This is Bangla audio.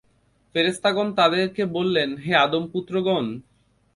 ফেরেশতাগণ তাদেরকে বললেন, হে আদম-পুত্রগণ!